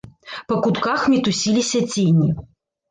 Па кутках мітусіліся цені.